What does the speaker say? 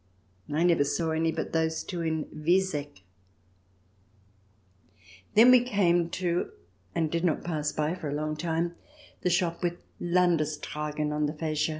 I never saw any but those two in Wieseck. Then we came to — and did not pass by for a long time — the shop with " Landestragen " on the facia.